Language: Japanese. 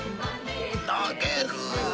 投げる。